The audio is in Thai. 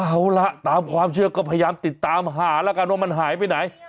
เอาล่ะตามความเชื่อก็พยายามติดตามหาแล้วกันว่ามันหายไปไหน